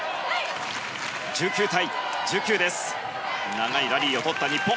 長いラリーをとった日本。